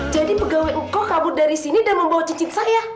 jadi pegawai engkau kabur dari sini dan membawa cincin saya